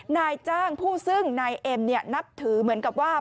นายจ้างผู้ซึ่งนายเอ็มนับถือเหมือนกับว่า